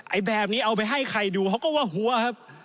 แบบนี้เอาไปให้ใครดูเขาก็ว่าหัวครับ